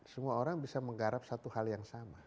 semua orang bisa menggarap satu hal yang sama